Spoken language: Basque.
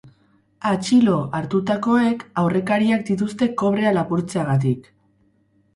Atxilo hartutakoek aurrekariak dituzte kobrea lapurtzeagatik.